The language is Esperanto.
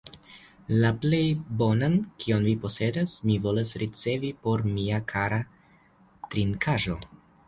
La plej bonan, kion vi posedas, mi volas ricevi por mia kara trinkaĵo!